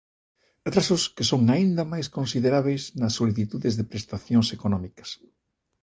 Atrasos que son aínda máis considerábeis nas solicitudes de prestacións económicas.